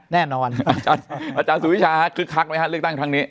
แน่นอนอาจารย์สุวิชาคึกคักไหมฮะเลือกตั้งครั้งนี้